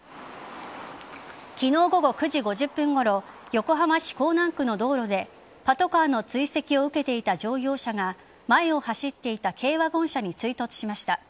昨日午後９時５０分ごろ横浜市港南区の道路でパトカーの追跡を受けていた乗用車が前を走っていた軽ワゴン車に追突しました。